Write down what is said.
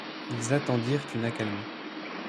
Ils attendirent une accalmie